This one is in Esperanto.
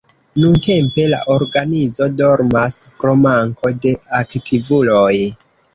Nuntempe la organizo dormas pro manko de aktivuloj.